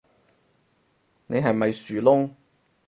你係咪樹窿